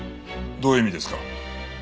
どういう意味ですか？